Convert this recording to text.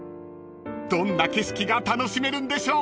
［どんな景色が楽しめるんでしょう］